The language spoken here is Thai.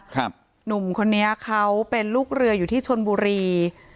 หนุ่มคนนี้เขาเป็นลูกเรืออยู่ที่ชนบุรี